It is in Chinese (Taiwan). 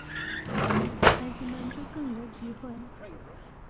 孩子們就更有機會